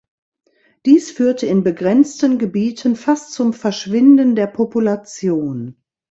Dies führte in begrenzten Gebieten fast zum Verschwinden der Population.